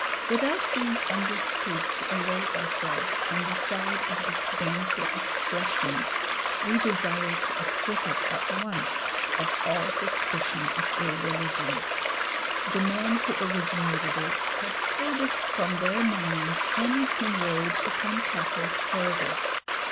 Without being understood to array ourselves on the side of this baneful expression, we desire to acquit it at once of all suspicion of irreligion. The men who originated it had furthest from their minds any inroad upon Catholic fervour.